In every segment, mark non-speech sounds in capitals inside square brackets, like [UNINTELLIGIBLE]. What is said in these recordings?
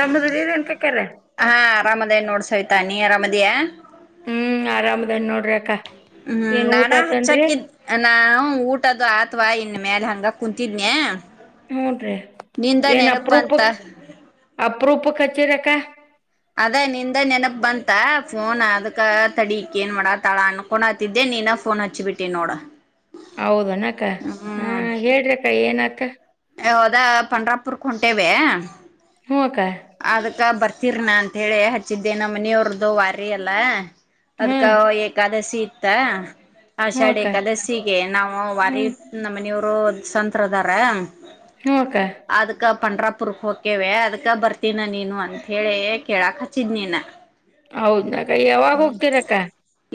ಆರಾಮದಿರೇನ್ ಕಕ್ಕಾರ ಹಾ ಆರಾಮದೇ ನೋಡು ತನಿ ಆರಾಮಾದಿಯೇ ಹ್ಮ್ ಆರಾಮದನ್ ನೋಡಿ ಹ್ಮ್ ನಾನಾ ಹಚ್ಚಾಕಿದ್ದ್ ನಾ ಊಟ ಅದು ಆತ ಅತ್ವಾ ಇನ್ ಮೇಲೆ ಹಂಗ ಕುಂತಿದ್ನ ಹುನ್ರಿ ಏನ್ ಬಂತ ಅಪರೂಪಕ್ಕೆ ಅಪ್ ಅಪುರೂಪ ಕೆ ಹಚ್ಚಿರಕ್ಕ ಅದ ನಿಂದ ನೆನಪ ಬಂತ ಫೋನ್ ಅದಕ ತಡಿ ಈಕಿ ಏನ್ ಮಾಡತಾಳ ಅನ್ಕೊಂಡತಿದ್ದೆ ನೀನ ಫೋನ್ ಹಚ್ಚಿಬಿಟ್ಟಿ ನೋಡ ಹೌದು ನಾಕ್ಕ ಹಾ ಹೇಳ್ರಕ್ಕ ಏನಕ್ಕ ಓಹೋ ಆದ ಪಂಡರಪುರಕ್ಕೆ ಹೊಂಟಾವೆ ಹ್ಞೂ ಅಕ್ಕ ಅದಕ್ಕ ಬರ್ತಿರೇನ ಅಂತ ಹೇಳಿ ಹಚ್ಚಿದ್ದೇ ನಮ್ಮ ಮನೆಯವ್ರದ್ದು ವಾರ ಅಲ್ಲ ಹ್ಞೂ ಅದ್ಕ ಏಕಾದಶಿ ತ್ತ ಹ್ಞೂ ಆಷಾಡ್ ಅಕ್ಕ ಏಕಾದಶಿಗೆ ನಾವು ಹ್ಞೂ ವಾರಿ ನಮ್ಮ ಮನೆಯವರು ಸಂತ್ರದಾರ ಹ್ಮಕ್ಕ ಪೊಂಡ್ರ ಪುರ್ಕ ಹೋಗಕೇವವೆ ಅದಕ್ಕ ಬರ್ತ ಿನ ನೀನು ಅಂತ ಹೇಳಿ ಕೇಳಾಕ್ತ್ತ ಚಿನ್ನಿನ ಹೌದ್ ನಕ ಯಾವಾಗ ಹೋಗ್ತಿರಕ್ಕ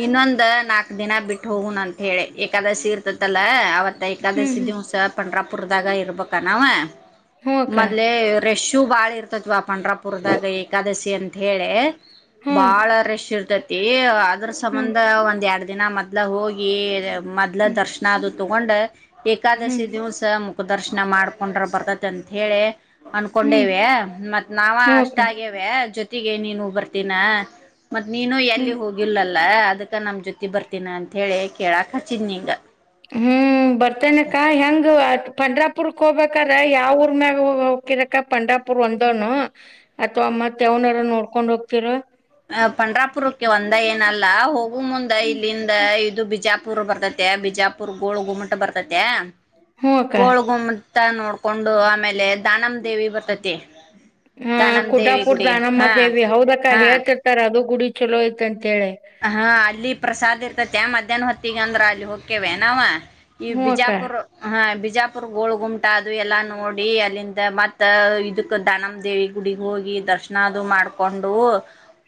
ಇನ್ನೊಂದ ನಾಕ್ ದಿನ ಬಿಟ್ಟ ಹೋಗಣ ಅಂತ ಹೇಳಿ ಏಕಾದ್ರ ಸ ಇರ್ತತಲ್ಲ ಅವತ್ತು ಹ್ಮ್ ಏಕಾದಸಿ ಹ್ಮ್ ದಿವ್ಸ ಪಂಡಾಪುರ ಪರದಾಗ ಇರ್ಬೇಕ ನಾವ ಹ್ಞೂ ಅಕ್ಕ ಮದಲಲೆ ರಷ್ಮ ಚುಾಳಿರ್ [UNINTELLIGIBLE] ತತ್ವಾ ಪಂಡ್ರಾಪುರದಾಗ ಏಕಾದಶಿ ಅಂತ ಹೇಳಿ ಹ್ಞೂ ಬಾಳ ರಶ್ ಇರ್ತೈತಿ [UNINTELLIGIBLE] ಅದ್ರ ಹ್ಞೂ ಸಂಬಂಧ ಒಂದು ಎರಡು ದಿನ ಮತ್ಲ ಹೋಗಿ ಮೊದ್ಲ ಹ್ಞೂ ದರ್ಶನ ಅದು ತೊಗೊಂಡೆ ಹ್ಞೂ ಎಾಾದಶಿ ದಿವಸ ದರ್ಶನ ಮಾಡ್ಕೊಂಡ್ರ ಬರ್ತೈತಿ ಅಂತ ಹೇಳಿ ಹ್ಞೂ ಅನ್ಕೊಂಡೇವೆ. ಮತ್ ನಾವ ಹ್ಞೂ ಅಕ್ಕ ಅಷ್ಟ ಆಗೇವೆ ಜೊತೆಗೆ ನೀನು ಬರ್ತೀನ ಮತ್ ನೀನು ಹ್ಞೂ ಎಲ್ಲಿ ಹೋಗಿಲ್ಲಲ್ಲ ಲ್ಲ ಅದಕ್ಕ ನಮ್ ಜೊತಿ ಬರ್ತೀನ ಅಂತ ಹೇಳಿ ಕೇಳಕ್ ಹಚ್ಚಿದ್ನಿಂಗ ಹ್ಮ್ ಬರ್ತೇನೆಕ್ಕ ಹೆಂಗ ಪಂಡ್ರಾಪುರ್ಕ್ ಹೋಗ್ಬೇಕಾದ್ರ ಯಾವ ಊರ್ ಮ್ಯಾಗ ಹೋಗಕಿರಕ ಪಂಡ್ರಾಪುರ್ ಒಂದನು ಅಥವಾ ಮತ್ ಯವನಾರ ನೋಡ್ಕೊಂಡ್ ಹೋಗ್ತಿರೋ. ಪಂಡ್ರಾಪುರಕ್ಕೆ ಒಂದ ಏನಲ್ಲ. ಅಲ್ಲ ಹೋಗುವ ಮುಂದ ಇಲ್ಲಿಂದ ಇದು ಬಿಜಾಪುರ್ ಬರ್ತತೆ ಬಿಜಾಪುರ್ ಗೋಳ ಗುಮಟ ಬರ್ತತೆ. ಹ್ಞೂ ಅಕ್ಕ ಗೊಲ್ಗುಮ್ಮ್ ತ್ತ ನೋಡ್ಕೊಂಡು ಆಮೇಲೆ ದಾನಮ್ ದೇವಿ ಬರ್ತತಿ. ಹ ದಾನಮ್ ದೇವಿ ಗುಡ್ಡಾಪುರ ಗುಡಿ ದಾನಮ್ಮ ಹಾ ದೇವಿ ಹೌದಕ್ಕ ಹಾ ಹೇಳ್ತಿ ರ್ ಅದು ಗುಡಿ ಚಲೋಯಐತೆ ಹಾ ಅಲ್ಲಿ ಪ್ರಸಾದ್ ಇರ್ತತಿ ಆ ಮಧ್ಯಾಹ್ನ ಹೊತ್ತ. ತಿಗಂದ್ರ ಅಲ್ಲಿ ಹೋಕ್ಕವೆ ನಾವ ಈ ಹ್ಞೂ ಅಕ್ಕ ಬಿಜಾಪುರ್ ಹ್ಮ್ ಬಿಜಾಪುರ ಗೋಳ ಗುಮಟ ಅದು ಎಲ್ಲ ನೋಡಿ ಅಲ್ಲಿಂದ ಮತ್ತು ಇದಕ್ಕೆ ದನಮ ದೇವಿ ಗುಡಿಗೆ ಹೋಗಿ ದರ್ಶನ ಅದು ಮಾಡಿಕೊಂಡು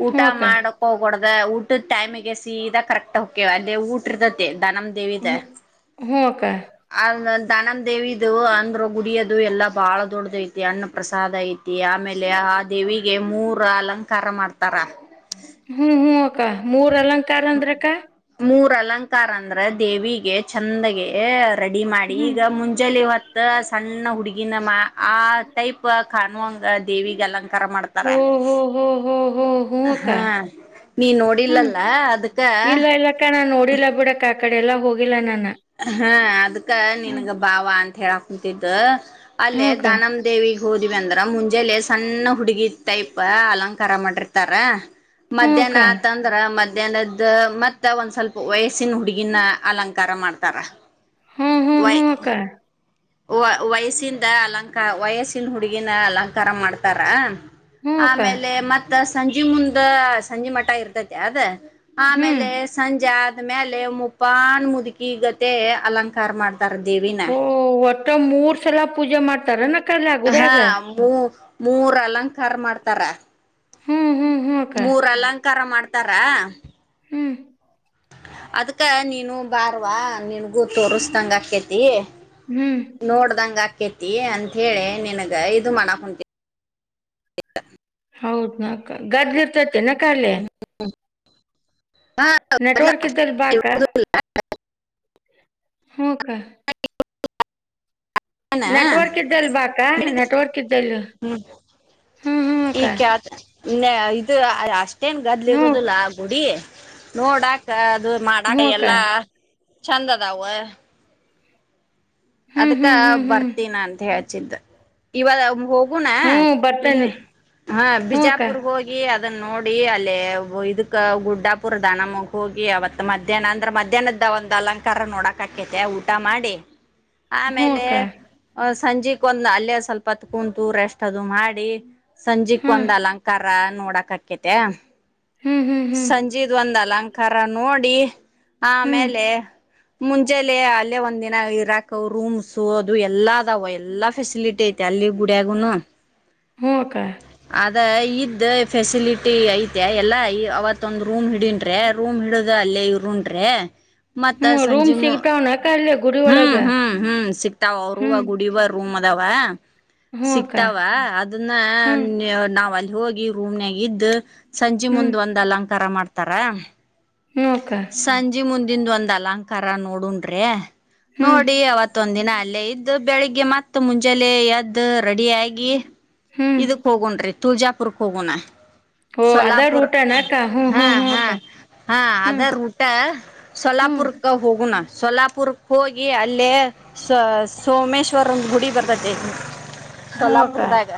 ಊಟ ಹ್ಞೂ ಅಕ್ಕ ಮಾಡಕ್ ಹೋಗೋಡ ಅದ ಊ ಟೈಮಿಗೆ ಸೀದಾ ಕರೆಕ್ಟ್ ಹೋಗಕೇವ ಅಲ್ಲೆ ಊಟ ಇರ್ತತ್ತೇ ದಾನಮ್ಮ ದೇವಿ ಹ್ಞೂ ಹ್ಞೂ ಅಕ್ಕ ಆದ ದನಮ್ ದೇವಿದ ಅಂದ್ರ ಗುಡಿಯದು ಎಲ್ಲ ಬಾಳ ದೊಡ್ಡದ ಐತಿ ಅನ್ನ ಪ್ರಸಾದ ಐತಿ ಆಮೇಲೆ ಆ ದೇವಿಗೆ ಮೂರ ಅಲಂಕಾರ ಮಾಡ್ತಾರ. ಹ್ಮ್ ಹ್ಮ್ ಅಕ್ ಅ ಕ್ಕ ಮೂರ್ ಅಲಂಕಾರ ಅಂದ್ರಕ್ಕ. ಮೂರ್ ಅಲಂಕಾರ ಅಂದ್ರೆ ದೇವಿಗೆ ಚಂದಗೆ. ರೆಡಿ ಮಾಡಿ ಹ್ಮ್ ಈಗ ಮುಂಜಲಿ ವತ್ತು ಸಣ್ಣ ಹುಡುಗಿನಮ್ಮ ಆ ಟೈಪ್ ಕಾಣುವಂಗ ದೇವಿಗಲಂಕಾ ಮಾಡ್ತ ಹೋ ಹೋ ಹೋ ಹೋ ಹೋ ಹ್ಞೂ ಹ ಅಕ್ಕ ನೀ ನೋ ಹ್ಮ್ ಇಲ್ಲ ಇಲ್ಲ ಅಕ್ಕ ನಾನು ನೋಡಿಲ್ಲ ಬಿಡು ಅಕ್ಕ ಆ ಕಡೆ ಎಲ್ಲಾ ಹೋಗಿಲ್ಲ ನಾನ ಹಾ ಅದಕ ಹ್ಮ್ ನನ್ಗ ಬಾವ ಅಂತ ಹೇಳಕ್ ತಿದ್ದ ಹ್ಞೂ ಅಲ್ಲೇ ಅಕ್ಕ ದಾನಮ ದೇವಿ ಹೋದಿವವಿ ಅಂದ್ರ ಮುಂಜೆಲ್ಲೆ ಸಣ್ಣ ಹುಡುಗಿ ಟೈಪ್ ಅಲಂಕಾರ ಮಾಡಿರ್ತಾರ ಹ್ಞೂ ಮಧ್ಯಾಹ್ನ ಅಕ್ಕ ಆ ತಂದ್ರ ಮ ಏ ನದ್ ಮತ್ತ ಒಂದ್ ಸ್ವಲ್ಪ ವಯಸ್ಸಿನ ಹುಡುಗಿನ ಅಲಂಕಾರ ಮಾಡತಾರ ಹ್ಮ್ [INAUDIBLE] ಹ್ಮ್ ಒಯ ಹ್ಮ್ ಅಕ್ಕ ವ ವಯಸ್ಸಿಂದ ಅಲಂಕಾರ ವಯಸ್ಸಿನ ಹುಡುಗಿನ ಅಲಂಕಾರ ಮಾಡ್ತಾರ ಹ್ಮ್ ಅಕ್ಕ ಆಮೇಲೆ ಮತ್ತ ಸಂಜೆ ಮುಂದ ಸಂಜೆ ಮಠ ಇರ್ತೈತಿ ಅದ ಹ್ಮ್ ಆಮೇಲೆ ಸಂಜೆ ಅದ್ಮೇಲೆ ಮುಪಾನ್ ಮುದುಕಿಗತೆ ಅಲಂಕಾರ ಮಾಡತ ಸರದೇವಿನ ಮ ಮೂರ್ ಸಲ ಪೂಜೆ ಮಾಡ್ತಾರ ನಕ್ಕಾ ಹಾ ಮೂ ಮೂರ ಅಲಂಕಾರಾರ್ ಮಾಡ್ತ. ತರ. ಹ್ಮ್ ಹ್ಮ್. ಹ್ಮ್ ಅಕ್ಕ ಮೂರ ಅಲಂಕಾರ ಮಾಡ್ತ ಹತಾರಾ. ಹ್ಮ್. ಅದ್ಕ ನೀನು ಬಾರ್ವಾ ನಿನ್ಗೂ ತೋರ್ಸ್ದಂಗ ಅಕ್ಕೇತಿ. ಹ್ಮ್ ನೋಡ್ದಂಗ ಕತಿ ಅಂಂತೇಳಿ ನಿನಗೆ ಇದು ಮಾಡಕ ಹೊಂತೀ. ಹೌದ ನಕ ಗದ್ಗಿರ್ತತಿ. ಚಕ್ಕಾರ್ಲ್ಲ. ಹಾದ. ಇದ್ದಲ್ಲಿ ಬಾ ಅಕ್ಕ [INAUDIBLE] ಹ್ಮಕ. ಏನ ನೆಟ್ವರ್ಕ್ ಇದ್ದಲ್ ಬಾಕಾ ನೆಟ್ವರ್ಕ್ ಇದ್ದಲ್ಲಿ ಹ್ಮ್ ಹ್ಮ್ ಅಕ್ಕ ಇ ಇದು ಅಷ್ಟ ಏನು ಗದ್ದಲಿ ಹ್ಞೂ ಇರೋದಿಲ್ಲ ಆ ಗುಡಿ ನೋಡಾ ಅದು ಹ್ಞೂ ಮಾಡಾಕಯ ಅಕ್ಕ ಎಲ್ಲ ಚಂದದ. ಹ್ಞೂ ಅದಕ್ಕ ಹ್ಞೂ ಹ್ಞೂ ಹ್ಞೂ ಬರ್ತೀನ ಅಂತ ಹೇಳ್ದ. ಇವಾಗ. ಹೋಗಣ ಹ್ಞೂ ಇಲ್ಲಿ ಬರ್ತೇನೆ ಹ ಹ್ಞೂ ಅಕ್ಕ ಬಿಜಾಪುರ್ ಹೋಗಿ ಅ ಅನ್ನ ನೋಡಿ ಅಲ್ಲೇ ಇದಕ್ಕ ಗುಡ್ಡಾಪುರ ದಾನಮ. ಹೋಗಿ ಅವತ್ ಮಧ್ಯಾಹ್ನ ಅಂದ್ರೆ ಮಧ್ಯಾಹ್ನದ ಒಂದುಲಂಕಾರ ನೋಡಕ್. ಕ್ಕೆತೆ ಊಟ ಮಾಡಿ ಹ್ಞೂ ಆಮೇಲೆ ಅಕ್ಕ ಸಂಜೆಕ್ ಒಂದ್ ಅಲ್ಲೇ ಸ್ವಲ್ಪತ್ ಕುಂತು ರೆಸ್ಟ್ ಅದು ಮಾಡಿ ಸಂಜೆಕ್ ಹ್ಞೂ ಒಂದ್ ಅಲಂಕಾರ ನೋಡಕ್ ಆಕತೆ ಹ್ಞೂ ಹ್ಞೂ ಸಂಜಿಗ್ ಒಂದಲಂಕಾರ ಕಾರ ನೋಡಿ ಹ್ಞೂ ಹ್ಞೂ ಆಮೇಲೆ ಮುಂಚೆಲಿ ಅಲ್ಲೇ ಒಂದ್ ದಿನ ಇರಾಕ್ ರೂಮ್ಸ್ ಅದು ಎಲ್ಲ ಅದಾವ ಎಲ್ಲಾ ಫೆಸಿಲಿಟಿ ಐತೆ ಅಲ್ಲಿ ಗುಡಿಯಾಗುನು ಹ್ಮ ಕ ಅದ ಇದ್ ಫೆಸಿಲಿಟಿ ಐತೆ ಎಲ್ಲಾ ಅವತ್ ಒಂದ್ ರೂಮ್ ಹಿಡನ್ ರೂಮ್ ಹಿಡುದ ಅಲ್ಲೇ ಇರುನ್ ರೆ ಮತ್ತ ಹ್ಮ್ ರೂಮ್ ಸಂಜೆ ಮು ಸಿಗ್ತಾವನ ಅಕ್ಕ ಅಲ್ಲೇ ಗುಡಿ ಒಳಗ ಹ್ಮ್ ಹ್ಮ್ ಹ್ಮ್ ಸಿಕ್ತಾವ ಅವರು ಹ್ಮ್ ಗುಡಿವ ದವ ಹ್ಮ ಅಕ್ಕ ಸಿಗ್ತಾವ ಅದನ್ನ ಹ್ಮ್ ಹ ನಾವ್ ಅಲ್ಲಿ ಹೋಗಿ ರೂಮ್ನಾಗ ಇದ್ದು ಸಂಜೆ ಹ್ಮ್ ಮುಂದ್ ಒಂದ್ ಅಲಂಕಾರ ಮಾಡ್ತಾರೆ ಹತಾರ ಹ್ಮ್ ಅಕ್ಕ ಸಂಜಿ ಮುಂದ ಇದಿಂದ ಒಂದ್ ಅಲಂಕಾರ ನೋಡನ್ ರೇ ಹ್ಮ್ ನೋಡಿ ಅವತ್ತ ಒಂದ ದಿನ ಆಯ್ತ ಅಲ್ಲೇ ಇದ್ದು ಬೆಳಿಗ್ಗೆ ಮತ್ತ ಮುಂಜಾಲೆ ಎದ್ದು ರೆಡಿ ಆಗಿ ಹ್ಮ್ ಇದಕ್ ಹೋಗನ್ ರೀ ತರ್ಜಾಪುರ್ಕಹೋಗುನ ಹ ಅದ ರೂಟ ನ ಕ ಹ ಹಾ ಹಾ ಹಾ ಅದ ಊಟ ಸೋಲಾಪುರ್ ಹ್ಮ್ ಹೋಗ ಹನಾ ಸೋಲ್ಲಾಪುರ್ಕ್ಕೆ ಹೋಗಿ ಅಲ್ಲೇ ಸ ಸೋಮೇಶ್ವರ್ ಗುಡಿ ಬರ್ತೈತೆ ಅಕ್ಕ ಸೋಲಾಪುರದಾಗ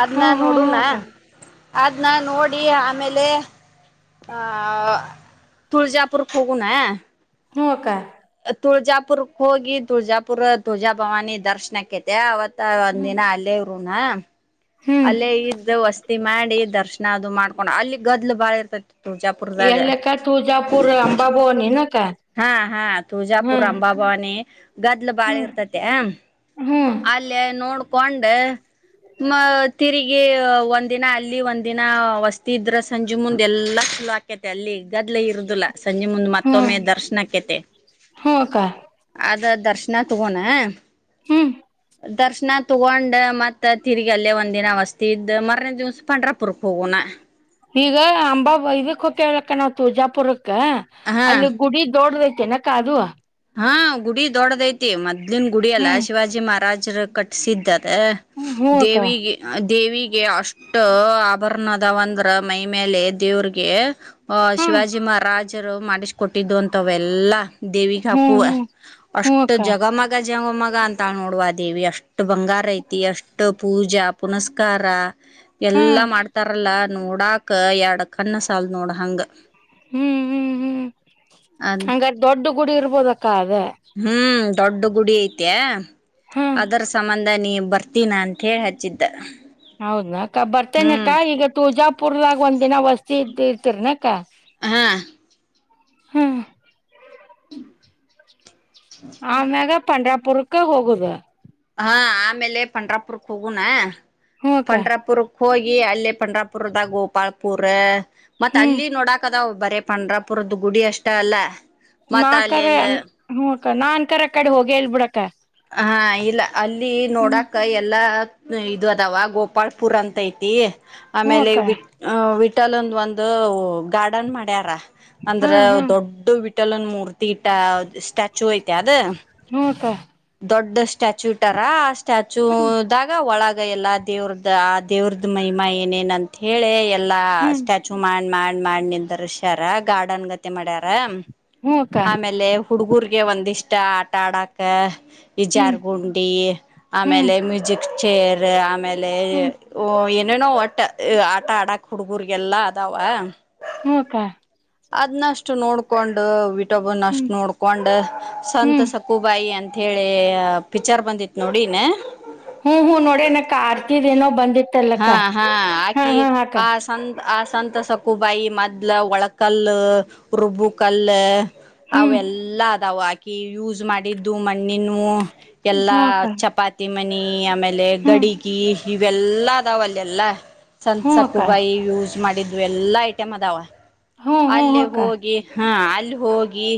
ಅದನ್ನ ಹ್ಮ್ ಹ್ಮ್ ನೋಡುಣ ಹ್ಮ್ ಅಕ್ಕ ಅದನ್ನ ನೋಡಿ ಆಮೇಲೆ ಅ ತುಳಜಾಪುರ ಹೋಗುನ ಹ್ಮ್ ನಕ್ಕ ತುಳಜಾಪುರ್ಕ್ಕೆ ಹೋಗಿ ತುಳ್ಜಾಪುರ ತುವಜಾ ಭವಾನಿ ದರ್ಶನಕ್ಕೆೈತೆ ಅವತ್ ತಾ ಹ್ಮ್ ಒಂದಿನ ಅಲ್ಲೇ ಇರುಣಾ. ಹ್ಮ್ ಅಲ್ಲೇ ಇದ್ದ್ ವಸ್ ತಿ ಮಾಡಿ ದರ್ಶನ ಅದು ಮಾಡ್ಕೊಂಡ್ ಅಲ್ಲಿ ಗದ್ಲು ಬಾಳ ಇರ್ತತಿ. ಎಲ್ಲಕ್ಕ ತುಜಾಪುರ್ ಅಂಬಾಬೋನೀನ. ಹಾ ಹಾ ತುಜಾಪುರಂಬಾಬವಾನಿ ಗದ್ಲು ಬಾಳ ಹ್ಮ್ ಇರ್ತತಿ ಹ ಹ್ಮ್ ಅಲ್ಲೇ ನೋಡ್ ಕೊಂಡೆ ಮ ತಿರುಗಿ ಒಂದಿನ ಅಲ್ಲಿ ಒಂದಿನ ವಸ್ ತಿದ್ರ ಸಂಜೆ ಮುಂದ್ ಎಲ್ಲಾ ಫ್ಲಾ ಕ್ಯತೆ ಅಲ್ಲಿಗದ್ಲೆ ಇರುದಿಲ್ಲಾ. ಸಂಜೆ ಮುಂದ್ ಹ್ಮ್ ಮತ್ತೊಮ್ಮೆ ದ ನಕೆತೆ ಹ್ಮ ಅಕ್ಕ ಅ ದ ದರ್ಶನ ತಗೋನಾ. ಹ್ಮ್ ದರ್ಶನ ತಗೊಂಡ ಮತ್ತ್ ತಿರ್ಗಿ ಅಲ್ಲೇ ಒಂದ್ ದಿನ ವಸ್ತಿ ಇದ್ದ ಮರನೇ ದಿವ್ಸ ಪಂಡ್ರಾಪುರ್ಕ್ ಹೋಗೋಣ. ಈಗ ಅಂಬಾ ಬೈ ಇದುಕ್ ಹೊಕ್ಕೇವಕ್ಕ ನಾವ್ ತುಜಾಪುರ್ ಕ್ಕಾ ಹಾ. ಅಲ್ಲಿ ಗುಡಿ ದೋಡ್ದೈ ತೇನಕ ಅದು. ಹಾ ಗುಡಿ ದೊಡದ್ ಐತಿ ಮ ನಿಮ್ ಗುಡಿ ಅಲ ಹ್ಮ್ ಶಿವಾಜಿ ಮಹಾರಾಜ್ ಜರ್ ಕಟ್ಸಿದ್ದ. ದಾ ಹ್ಮ ಅಕ್ಕ ದೇವಿಗಿ ಆ ದೇವಿಗೆ ಅಷ್ಟು ಆಭರಣದಾವಂದ್ರ ಮೈ ಮೇಲೆ ದೇವ್ರ್ಗೆ ಆಹ ಹ್ಮ್ ಶಿವಾಜಿ ಮಹಾರಾಜರು ಮಾಡಿಸ್ ಕೊಟ್ಟಿದ್ದು ಅಂತವ್ ಎಲ್ಲಾ ದೇವಿ ಹ್ಮ್ ಕುವ ಹ್ಮ್ ಹ್ಮ್ ಅಷ್ಟು ಅಕ್ಕ ಜಗ ಮಗ ಜಮ ಮಗ ಅಂತಳ್ ನೋಡುವ ದೇವಿ ಅಷ್ಟು ಬಂಗಾರ ಐತಿ ಅಷ್ಟು ಪೂಜಾ ಪುನಸ್ಕಾರ. ಎಲ್ಲಾ ಹ್ಮ್ ಮಾಡ್ತಾರಲ್ಲ ನೋಡಾಕ ಎರಡು ಕಣ್ಣಸಾಲ್ದ್ ನೋಡ ಹಂಗ. ಹ್ಮ್ ಹ್ಮ್ ಹ್ಮ್ ಅದ್ ಹಂಗಾರ್ ದೊಡ್ಡು ಗುಡಿ ಇರ್ಬೋದ. ಹ್ಮ್ ದೊಡ್ಡ್ ಗುಡಿ ಐತ್ಯಾ. ಹ್ಮ್ ಅದರ್ ಸಂಬಂಧ ನೀ ಬರ್ತೀನ ಅಂತೇಳ್ ಹಚ್ಚಿದ್ದ. ಹೌದ್ನಾ ಅಕ್ಕ ಹ್ಮ್ ಬರ್ತೇನೆಕ್ಕ ಈಗ ತುಜಾಪುರ್ಲಗ್ ಒಂದ್ ದಿನ ವಸ್ತಿ ಇರ್ ಇರ್ತಿರ್ನಕ್ಕ. ಹಾ. ಹ್ಮ್. ಹಾಮ್ಯಾಗ. ಪಂಡ್ರಾಪುರ್ಕ್ಕ ಹೋಗುದ. ಹಾ ಆಮೇಲೆ ಪಂಡ್ರಾಪುರ್ಕ್ ಹೋಗುನಾ. ಹ್ಮ ಅಕ್ಕ ಪಂಡ್ರಾಪುರ್ ಹೋಗಿ ಅಲ್ಲೇ. ಪಂಡ್ರಾಪುರ್ದಾಗ್ ಗೋಪಾಲ್ ಪೂರಾ. ಮತ್ ಹ್ಮ್ ಅಲ್ಲಿ ನೋಡಾಕದಾವ್ ಬರೇ ಪಂಡ್ರಾಪುರುದ್ ಗುಡಿ ಅಷ್ಟ ಅಲ್ಲ. ಮಾ ಮತ್ತ ಕರ ಅಲ್ಲೆಲ್ಲ [UNINTELLIGIBLE] ನಾನ್ ಕರ ಅಕಡೆ ಹೋಗಿ ಇಲ್ಲ ಬಿಡಕ್ಕ ಹಾ ಇಲ್ಲ ಅಲ್ಲಿ ಹ್ಮ್ ನೋಡೋಕ ಎಲ್ಲ ಇದು ಅದಾವ ಗೋಪಾಳ್ಪುರ್ ಅಂತ ಐತಿ ಹ್ಮ ಆಮೇಲೆ ಅಕ್ಕ ವಿಟ್ ವಿ [UNINTELLIGIBLE] ಹಟಲ್ ಒಂದು ಒಂದು ಗಾರ್ಡನ್ ಮಾಡ್ಯಾರ ಹಾ ಅಂದ್ರೆ ಹಾ ದೊಡ್ಡ ವಿಟ್ಟ ಚಟಲನ್ ಮೂರ್ತಿ [UNINTELLIGIBLE] ಟೀಟಾ, ಸ್ಟ್ಯಾಚು ಆಯ್ತಾ ಅದು ಹ್ಮ ಅಕ್ಕ ದೊಡ್ಡ ಸ್ಟ್ಯಾಚು ಇಟ್ಟಾರ ಆ ಹ್ಮ್ ಸ್ಟ್ಯಾಚುದಾಗ ಒಳಗ ಈಗ ಎಲ್ಲಾ ದೇವ್ರದ ಆ ದೇವ್ರದ ಮಹಿಮಾ ಏನೇನ್ ಅಂತ ಹೇಳಿ ಎಲ್ಲಾ ಹ್ಮ್ ಸ್ಟ್ಯಾಚು ಮಾಡಿ ಮಾಡಿ ಮಾಡಿ ಮಾಡಿ ನಿಂದ್ರಶಾರ ಗಾರ್ಡನ್ ಗತ್ತೆ ಮಾಡ್ಯಾರ ಹ್ಮ ಅಕ್ಕ ಆಮೇಲೆ ಹುಡುಗೂರ್ಗೆ ಒಂದಿಷ್ಟ ಇಷ್ಟ ಆಟ ಆಡಕ್ಕ ಈ ಹ್ಮ್ ಜಾರ್ಗುಂಡಿ ಹ್ಮ್ ಆಮೇಲೆ ಮ್ಯೂಸಿಕ್ ಚೇರ್ ಆಮೇಲೆ ಹ್ಮ್ ಅ [UNINTELLIGIBLE] ಏನೋ ಒಟ್ಟ ಆಟ ಆಡಕ್ ಹುಡುಗುರ್ರಿಗೆಲ್ಲಾ ಅದಾವ ಹ್ಮುಅಕ್ಕಾ ಅದ್ನಷ್ಟು ನೋಡ್ಕೊಂಡು ಇೊಬ್ಬನ್ ಅಷ್ಟ್ ಹ್ಮ್ ನೋಡ್ಕೊಂಡ್ ಸಂತತ್ ಹ್ಮ್ ಸಕುಬಾಯಿ ಅಂತ ಅಂತ ಹೇಳಿ ಪಿಕ್ಚರ್ ಬಂದಿತು ನೋಡಿನ ಹ್ಮ್ ಹ್ಮ್ ನೋಡಿ ನಕ್ಕ ಆರ್ತಿದ ಏನೋ ಬಂದಿತ್ತಲ್ಲಕ್ಕ ಹಾ ಹಾ ಹಾ ಆಕಿ ಹಾ ಅಕ್ಕ. ಆ ಸಂತ ಆ ಸಂತಸಕುಬಾಯಿ ಮದ್ಲ ಒಳಕ್. ಕಲ್ಲು ರುಬ್ಬು ಕಲ್ಲ ಅ ಹ್ಮ್ ಎಲ್ಲಾ ಅದವು ಆಕ ಆಕಿ ಯೂಸ್ ಮಾಡಿದ್ದು ಮಣ್ಣಿನವು, ಎಲ್ಲಾ ಹ್ಮ್ ಅಕ್ಕ ಚಪಾತಿ, ಮನಿ ಆಮೇಲೆ, ಹ್ಮ್ ಗಡಿಗಿ. ಇವೆಲ್ಲಾ ಅದಾವಲ್ಲೇಲ್ಲ. ಸಣ ಹ್ಮ್ ಸಕು ಅಕ್ಕ ಬಾಯಿ ಯೂಸ್ ಮಾಡಿದ- ಇವೆಲ್ಲಾ ಐಟಮ್ ಅದಾವ. ಹ್ಮ್ ಹ್ಮ್ ಅಲ್ಲಿ ಅಕ್ಕ ಹೋಗಿ ಹಾ ಅಲ್ಲಿ ಹೋಗಿ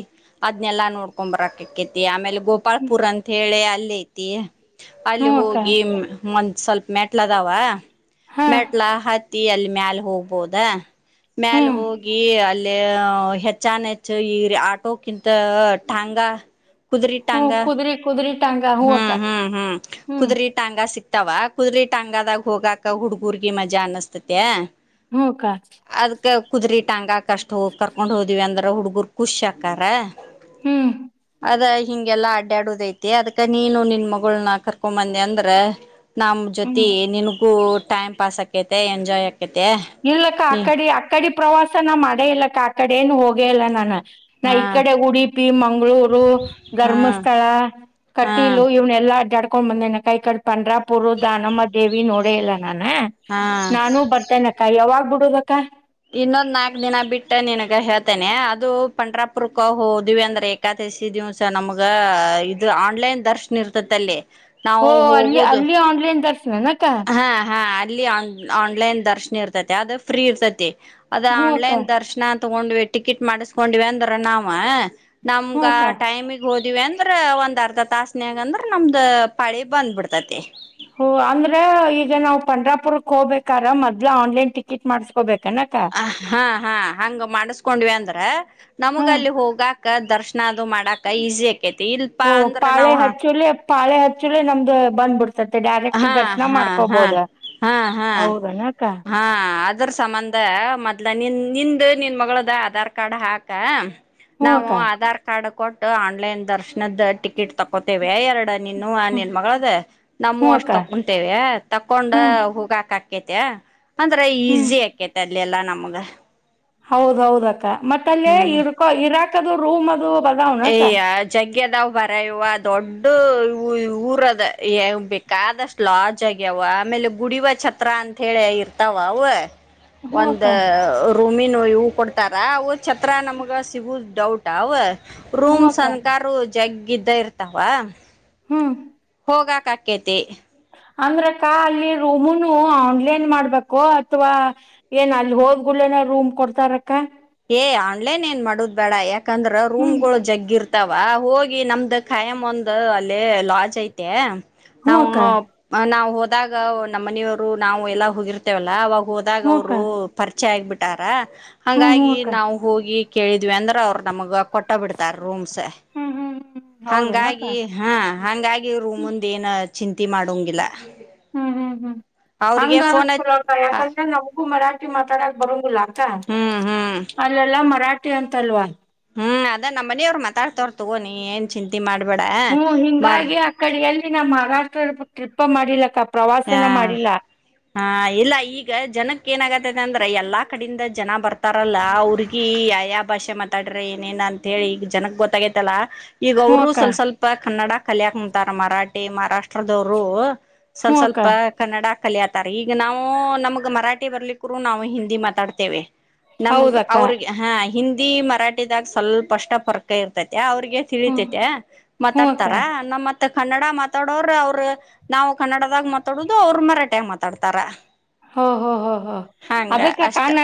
ಅದನೆಲ್ಲಾ ನೋಡ್ಕೊಂಡ್ ಬರಕೈತಿ ಆಮೇಲೆ, ಗೋಪಾಲ್ಪುರ್ ಅಂತ ಹೇಳಿ ಅಲ್ಲಿ ಥೈತಿ ಅಲ್ಲಿ ಹ್ಮ್ ಅಕ್ಕ ಹೋಗಿ ಮನ್ ಸ್ವಲ್ಪ ಮೆಟ್ಲ ಅದಾವ ಹಾ ಮೆಟ್ಲ ಹ ತ್ತೀ ಅಲ್ಲಿ ಮ್ಯಾಲ ಹೋಗ್ಬೋದಾ ಮ್ಯಲ್ ಹ್ಮ್ ಹೋಗ ಈ ಅಲ್ಲಿ ಹೆಚ್ಚನ್ ಹೆಚ್ಚ ಈ ಆಟೋಕಿಂತ ಟಾಂಗ. ಹ್ಮ್ ಕುುದುರಿಟಾಂಗ ಕುದುರಿ ಕುದುರಿ ಟಾಂಗ ಹೂ ಅಕ್ಕ ಹ್ಮ್ ಹ್ಮ್ ಹ್ಮ್ ಹ್ಮ್ ಕುದು್ರಿ ಟಾಂಗ ಸಿಕ್ ತವ ಕುದ್ರಿ ಟಾಂಗ ದಾಗ ಹೋಗಾಕ ಹುಡ್ಗುರ್ಗಿ ಮಜಾ ಅನಸ್ತತೆ ಹ್ಮ್ ಅಕ್ಕ ಅದಕ್ಕೆ ಕುದು್ರಿ ಟಂಗ ಕ ಅಷ್ಟು ಕರ್ಕೊಂಡು ಹೋದಿವಿ ಅಂದ್ರೆ ಹುಡುಗರು ಖುಷ್ ಆಕಾರೆ ಹ್ಮ್ ಅದ ಹಿಂಗೆಲ್ಲ ಅಡ್ಡೆಡುದ್ ದೈಐತೆ ಅದಕ್ ಮತ್ತ ನೀನು ನಿನ್ ಮಗಳನ್ನ ಕರ್ಕೊಂಬಂದಿ ಅಂದ್ರ ನಮ್ಮ ಜೊತೆ ಹ್ಮ್ ನಿನಗೂ ಟೈಮ ಪಾಾಸಕ್ಕೆತೆೆ ಎಂಜಾಯ ಇಲ್ಲಕ್ಕ ಅಕ್ಕಡಿ ಅಕ್ಕಡಿ ಪ್ರವಾಸನ ಮಾಡೇ ಇಲ್ಲಕ್ಕ ಆ ಕಡೆನು ಹೋಗೇ ಇಲ್ಲ ನಾನು ನಾ ಹಾ ಈ ಕಡೆ ಉಡುಪಿ ಮಂಗಳೂರು ಹಾ ಧರ್ಮಸ್ಥಳ ಹಾ ಕಟೀಲು ಇವನ್ನ ಎಲ್ಲಾ ಜಡ್ ೊಂಡ್ಂದ ನ ಕ ಪಂಡ್ರಾಪುರ್ ದಾನಮ್ಮ ದೇವಿ ನೋಡ ಇಲ್ಲ ನಾನ ಹಾ ನಾನು ಬರ್ತೇನೆ ಯಾವಾಗ್ ಬಿಡುದಕ್ಕ ಇನ್ನೊಂದ್ ನಾಲ್ಕ್ ದಿನ ಬಿಟ್ಟ ನನ್ಗ ಹೇಳ್ತೇನೆ ಅದು ಪಂಡ್ರಾಪುರಕ್ಕ ಹೋದ್ವಿ ಅಂದ್ರೆ ಏಕಾದಿಸಿಿ ದಿವ್ಸ ನಮ್ಗ ಇದು ಆನ್ಲೈನ್ ದರ್ಶನ್ ಇರ್ತತಿ ಅಲ್ಲಿ ನಾವು ಹೋ ಅಲ್ಲಿ ಹೋಗೋದು ಅಲ್ಲಿ ಆನ್ಲೈನ್ ರ್ ನಕ್ಕ ಹಾ ಹಾ ಅಲ್ಲಿ ಆ ಆನ್ಲೈನ್ ದರ್ಶನ ಇರ್ತೈತೆ ಅದು ಫ್ರೀ ಇರ್ತತಿ ಅದ ಹ್ಞೂ ಅಕ್ಕ ಆನ್ಲೈನ್ ದರ್ಶನ ಅಂತ ತಗೊಂಡ್ಿವವಿ ಟಿಕೆಟ್ ಮಾಡಿಸ್ಕೊಂಡಿವ ಅಂದ್ರ ನಾವ ಹ್ಞೂ ನಮ್ಗ ಅಕ್ಕ ಟೈಮಗ್ ಹ ವಿ ಅಂದ್ರ ಒಂದ್ ಅರ್ಧ ತಾಸನ್ಯಾಗ ಅಂದ್ರ ನಮ್ದ ಪಳಿ ಬಂದ್ ಬಿಿಡ್ತತಿ. ಹ ಅಂದ್ರೆ ಈಗ ನಾವ್ ಪಂಡ್ರಾಪುರಕ್ ಹೋಗ್ಬೇಕಾರ ಮೊದ್ ಆನ್ಲೈನ್ ಟಿಕೆಟ್ ಮಾಡ್ಸ್ಕೊಬೇಕ ಹಾ ಹಾ ಹಂಗ ಮಾಡಿಸಕೊಂಡ್ವಿ ಅಂದ್ರ ನಮಗ ಹಾ ಅಲ್ಲಿ ಹೋಗಾಕ್ ದರ್ಶನ ಅದು ಮಾಡಾಕ ಈಸಿ ಆಗ್ತ. ಹಓ ಪಾಳೆ ಹಚ್ಚಲೆ ಪಾಳೆ ಹಚ್ಚುಲೆ ನಮ್ದ. ಬಂದಬಡ್ತ. ಹಾ ಹಾ ಹಾ ಹಾ ಹಾ ಹೌದನ ಅಕ್ಕ ಹಾ ಅದ್ರ ಸಂಬಂಧ ಮೊದ್ಲ ನಿನ್. ನಿಂದ ನಿನ್ ಮಗಳದ ಆಧಾರ್ ಕಾರ್ಡ್ ಹಾಕ ಹ್ಞೂ ನಾವು ಅಕ್ಕ ಆಧಾರ್ ಕಾರ್ಡ್ ಕೊಟ್ಟು ಆನ್ಲೈನ್ ದರ್ಶನದ ಟಿಕೆಟ್ ತಕೋತೇವೆ ಎರಡು ನೀನು ಹ್ಮ್ ನಿನ್ ಮಗಳದ ನಮವು ಹ್ಞೂ ಅಷ್ಟ್ ಅಕ್ಕ ತಕೊಂತೇವೆ ತಕೊಂಡ್ ಹ್ಮ್ ಹೂಗಾಕ. ಅಕೇತ. ಅಂದ್ರೆ ಹ್ಮ್ ಈಸಿ ಆಾಕೇತೆ ಅಲ್ಲೆಲ್ಲಾ ನಮ. ನಮಗೆ. ಹೌದ ಹೌದ. ಮತ್ತ ಅಲ್ಲೇ ಇರ್ಕೊ ಇರಾ. ದು ರೂಮ್ ಅದು. ಬದಾವನ ಅಕ್ಕ ಅಯ ಜಗ್ಗೆ್ಯದಾವ್ ಬರ ಇವ ದೊಡ್ಡ. ಊರದ ಬೇಕಾದಷ್ಟು ಲಾರ್ಜ್ ಆಗ್ಯಾವ ಆಮೇಲೆ ಗುಡಿವ ಛತ್ರ ಅಂತ ಹೇಳಿ ಇರ್ತಾವ ಅವ. ಹ್ಞೂ ಒಂದ. ಅಕ್ಕ ರೂಮಿ ನವು ಕೊಡ್ತಾರ ಅವ ಛತ್ರ ನಮ್ಗ ಸಿಗುದ ಡೌಟ್ ಅವ. ಹ್ಞೂ ರೂಮ್ ಅಕ್ಕ ಸನ್ಕಾರು ಜಗ್ ಗ್ದ ಇರ್ತಾವ. ಹಾ. ಹೋಗಾ ಕಕ್ಕೆೇತೆ ಅಂದ್ರಕ್ಕ ಅಲ್ಲಿ ರೂಮನು ಆನ್ಲೈನ್ ಮಾಡ್ಬೇಕು ಅಥವಾ ಏನ್ ಅಲ್ಲಿ ಹೋದ್ ಗುನ ರೂಮ್ ಕೊಡ್ತಾರಕ್ಕ ಏ ಆನ್ಲೈನ್ ಏನ್ ಮಾಡುದು್ ಬೇಡ ಯಾಕೆ ಯಾಕಂದ್ರ ಹ್ಮ್ ರೂಮ್ಗಳುಳ ಜಗ್ಗಿರ್ತ ಇತವಾ ಹೋಗಿ ನಮ್ದು ಖಾಯಮ ಒಂದ ಅಲ್ಲಿ ಲಾಜ್ ಐತೆ ಹ್ಞೂ ನಾ್ ಅಕ್ಕ ನಾವು ಹೊ ಆದಾಗ ನಮ್ಮ ಮನೆಯವರು ನಾವು ಎಲ್ಲಾ ಹೋಗಿರ್ತೇವಲ್ಲ ಅವಾಗ ಹೋದಾಗ ಹ್ಞೂ ಅಕ್ಕ ಅವ್ರು ಪರಿಚೆ ಆಗ್ಿಬಿಟ್ಟು. ಟಾರಾ. ಹ್ಮ್ ಹಂಗಾಗಿ ಹ್ಞೂ ಈ ಅಕ್ಕ ನಾವು ಹೋಗಿ ಕೇಳಿದ್ವಿ ಅಂದ ಅವರು ನಮಗ ಕೊಟ್ಟ ಬಿಡ್ತಾರ ರೂಮ್ಸ್ ಹ್ಮ್ ಹ್ಮ್ ಹ್ಮ್ ಹೌದೇನ ಅಕ್ಕ ಹಂಗಾಗಿ ಹಾ ಹಂಗಾಗಿ ರೂಮ್ಂದ ಏನ ಚಿಂತೆಿ ಮಾಡೋಂಗಿಲ್ಲ ಹ್ಮ್ ಹ್ಮ್ ಹ್ಮ್ ಅವ್ರಿಗೆ ಫೋನ್ ಹಂಗಲೋ ಯಾಕಂದ್ರೆ ನಮಗೂ ಮರಾಠಿ ಮಾತಾಡಕ್ ಬರಂಗಲತ ಹ್ಮ್ ಹ್ಮ್ ಅಲ್ಲೆಲ್ಲ ಮರಾಠಿ ಅಂತಲ್ವಾ ಹ್ಮ್ ಅದೇ ನಮ್ಮ ಮನೆಯವರು ಮಾತಾಡ್ತೋ್ ತಗೋಿ ಏನ್ ಚಿಂತೆ ಮಾಡಿ ಹ್ಮ್ ಹಿಂಗಾಗಿ ಆಕಡೆ ಎಲ್ಲ ನಮ್ಮ ಮಹಾರಾಷ್ಟ್ರ ್ರಿಪ್ಪ ಮಾಡಿಲ್ಲಕ್ಕಪ್ಪ ಹಾ ಹಾ ಎಲ್ಲ ಈಗ ಜನಕ್ಕೆ ಏನಾಗತ್ತ ಅಂದ್ರ ಎಲ್ಲಾ ಕಡಿಂದ ಜನ ಬರ್ತಾರಲ್ಲ ಅವ್ರಗಿ ಯ ಯ ಭಾಷೆ ಮಾತಾಡ್ರ ಏನೇನ ಅಂತ ಹೇಳಿ ಈಗ ಜನಕ್ ಗೊತ್ತಾಗೈತಲ್ಲ ಈಗ ಹ್ಮ್ ಅವರು ಅಕ್ಕ ಸ್ವಲ್ಪ ಸ್ವಲ್ಪ ಕನ್ನಡ. ಕಲ್ಯಕ್ ಮುಂತಾರೆ ಮರಠ ಮಹಾರಾಷ್ಟ್ರ ಅದವರು ಸ್ವಲ್ಪ ಹ್ಮ್ ಅಕ್ಕ ಸ್ವಲ್ಪ ಕನ್ನಡ ಕಲಿಯಾತಾರೆ ಈಗ ನಾವು ನಮ್ಗ್ ಮರಾಠಿ ಬರ್ಲಿಕ್ಕರು ನಾವು ಹಿಂದಿ ಮಾತಾಡ್ತೇವೆ ನಮಗ್ ಹೌದಕ್ಕ ಅವ್ರಿಗೆ ಹಾ ಹಿಂದಿ ಮರಾಠಿದಾಗ ಸ್ವಲ್ಪ ಅಷ್ಟ ಪಫರ್ಕ ಇರ್ತೈತಿ ಅವ್ರಿಗೆ ಹ್ಮ್ ತಿಳಿತೇತೆ ಹ್ಮ್ ಅಕ್ಕ ಮಾತಾಡ್ತಾರ ನಮ್ಮ ಮತ್ತ ಕನ್ನಡ ಮಾತಾಡೋ್ರ ಅವ್ರ ನಾವು ಕನ್ನಡ ಅವಾಗ್ ಮಾತಾಡುದು ಅವ್ರ ಮರಾಟೆಗ ಮಾತಾಡ್ತಾರ ಹೋ ಹೋ ಹೋ ಹೋ ಹಂಗ ಅದಕ್ಕ ಅಷ್ಟ ಕಾಣ